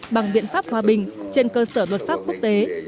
bằng biện pháp hòa bình trên cơ sở luật pháp quốc tế